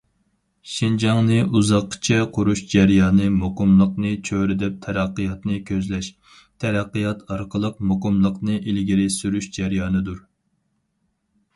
شىنجاڭنى ئۇزاققىچە قۇرۇش جەريانى مۇقىملىقنى چۆرىدەپ تەرەققىياتنى كۆزلەش، تەرەققىيات ئارقىلىق مۇقىملىقنى ئىلگىرى سۈرۈش جەريانىدۇر.